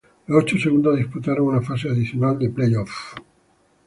Los ocho segundos disputaron una fase adicional de play off.